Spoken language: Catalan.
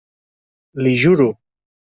L'hi juro!